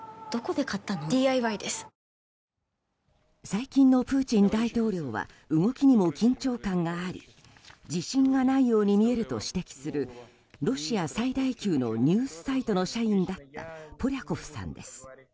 最近のプーチン大統領は動きにも緊張感があり自信がないように見えると指摘するロシア最大級のニュースサイトの社員だったポリャコフさんです。